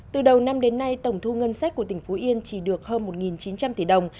từ đầu năm đến nay tổng thu ngân sách của tỉnh phú yên chỉ được hơn một chín trăm linh tỷ đồng